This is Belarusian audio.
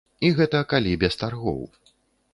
І гэта калі без таргоў.